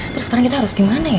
terus sekarang kita harus gimana ya